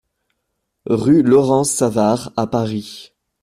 Rue Laurence Savart à Paris